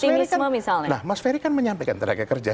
nah mas ferry kan menyampaikan tenaga kerja